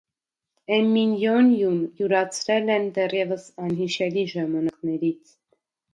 Էմինյոնյուն յուրացրել են դեռևս անհիշելի ժամանակներից։